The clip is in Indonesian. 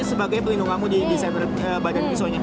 ini sebagai pelindung kamu di badan pisau nya